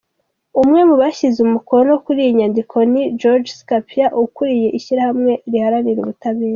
Umwe mu bashyize umukono kuri iyi nyandiko ni Georges Kapiamba, ukuriye ishyirahamwe riharanira ubutabera.